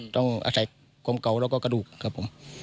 ต้องอาศัยกลมเก่าแล้วก็กระดูกครับผม